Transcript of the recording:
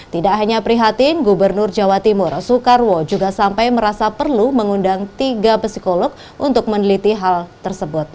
tidak hanya prihatin gubernur jawa timur soekarwo juga sampai merasa perlu mengundang tiga psikolog untuk meneliti hal tersebut